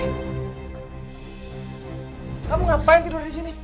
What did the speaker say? kamu ngapain tidur disini